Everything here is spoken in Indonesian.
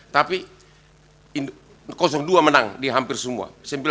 tapi dua menang di hampir semua